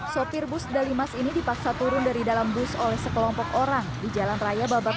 sopir bus dalimas ini dipaksa turun dari dalam bus oleh sekelompok orang di jalan raya babak